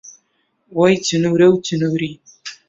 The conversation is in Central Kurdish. وەی چنوورە و چنووری